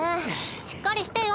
しっかりしてよ